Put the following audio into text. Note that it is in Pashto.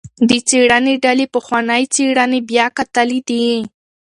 د څیړنې ډلې پخوانۍ څیړنې بیا کتلي دي.